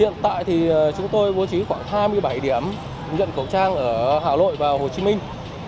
hiện tại thì chúng tôi bố trí khoảng hai mươi bảy điểm nhận khẩu trang ở hà nội và hồ chí minh